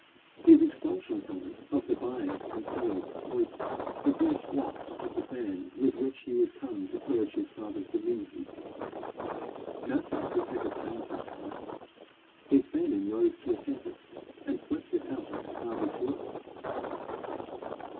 His expulsion from it of the buyers and sellers, was the first waft of the fan with which he was come to purge his father's dominions. Nothing could ever cleanse that house; his fanning rose to a tempest, and swept it out of his father's world.